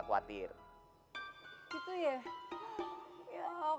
ya kagak seru dong